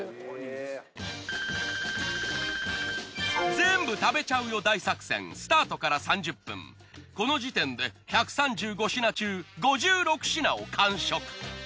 全部食べちゃうよ大作戦スタートから３０分この時点で１３５品中５６品を完食。